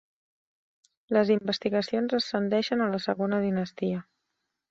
Les investigacions ascendeixen a la segona dinastia.